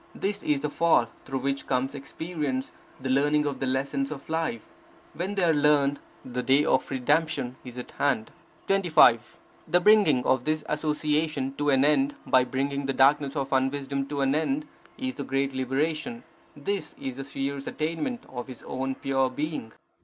This is the fall, through which comes experience, the learning of the lessons of life. When they are learned, the day of redemption is at hand. 25. The bringing of this association to an end, by bringing the darkness of unwisdom to an end, is the great liberation; this is the Seer's attainment of his own pure being.